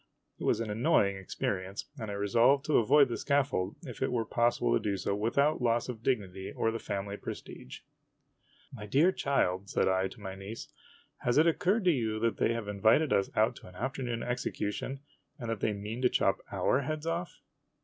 It was an annoying experience, and I resolved to avoid the scaffold, if it were possible to do so without loss of dig nity or the family prestige. THE ASTROLOGER S NIECE MARRIES 103 " My dear child," said I to my niece, " has it occurred to you that they have invited us out to an afternoon execution, and that they mean to chop our heads off?